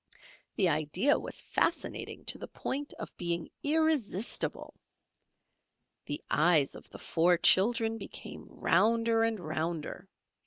The idea was fascinating to the point of being irresistible. The eyes of the four children became rounder and rounder.